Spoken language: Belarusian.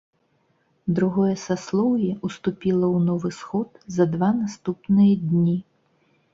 Другое саслоўе ўступіла ў новы сход за два наступныя дні.